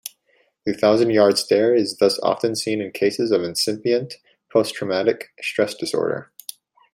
The thousand-yard stare is thus often seen in cases of incipient post-traumatic stress disorder.